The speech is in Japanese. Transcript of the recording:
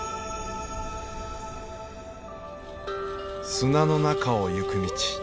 砂の中を行く道。